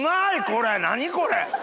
これ何これ！